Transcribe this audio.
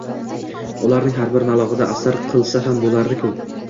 ularning har birini alohida asar qilsa ham bo’lardi-ku.